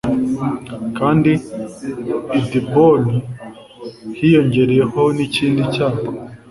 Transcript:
kandi i Diboni hiyongereyeho n’ikindi cyago,